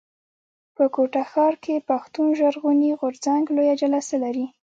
په کوټه ښار کښي پښتون ژغورني غورځنګ لويه جلسه لري.